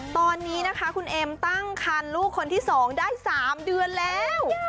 ตอนนี้นะคะคุณเอ็มตั้งคันลูกคนที่๒ได้๓เดือนแล้ว